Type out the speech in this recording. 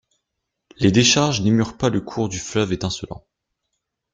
Les décharges n'émurent pas le cours du fleuve étincelant.